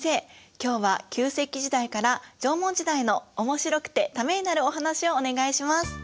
今日は旧石器時代から縄文時代のおもしろくてためになるお話をお願いします。